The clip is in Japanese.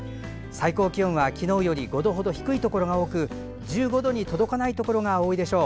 最高気温は、昨日より５度ほど低いところが多く１５度に届かないところが多いでしょう。